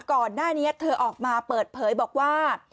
ก่อนหน้านี้เธอออกมาเปิดเผยบอกว่า